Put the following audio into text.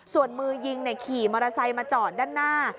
ส่วนมือยิงขี่มอเตอร์ไซค์มาจอดด้านหน้า